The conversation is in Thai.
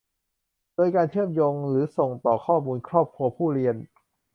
โดยการเชื่อมโยงหรือส่งต่อข้อมูลครอบครัวผู้เรียน